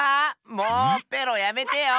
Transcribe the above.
もうペロやめてよ。